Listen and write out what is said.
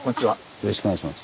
よろしくお願いします。